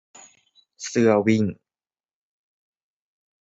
เสื้อวิ่ง